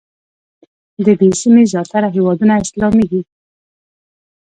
د دې سیمې زیاتره هېوادونه اسلامي دي.